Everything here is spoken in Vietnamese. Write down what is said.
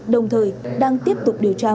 đồng thời đang tiếp tục điều tra